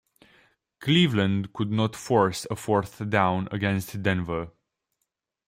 Cleveland could not force a fourth down against Denver.